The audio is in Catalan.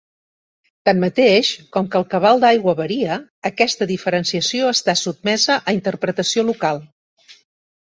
Tanmateix, com que el cabal d'aigua varia, aquesta diferenciació està sotmesa a interpretació local.